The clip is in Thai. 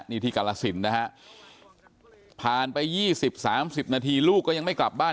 นี่ที่กาลสินนะฮะผ่านไป๒๐๓๐นาทีลูกก็ยังไม่กลับบ้าน